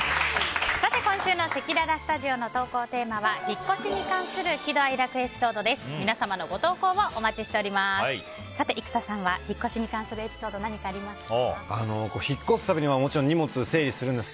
今週のせきららスタジオの投稿テーマは引っ越しに関する喜怒哀楽エピソードです。